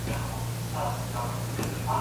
وپلوري